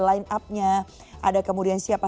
line up nya ada kemudian siapa